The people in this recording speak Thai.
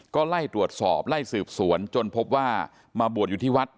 ก็ไล่ตรวจสอบไล่สืบสวนจนพบว่ามาบวชอยู่ที่วัด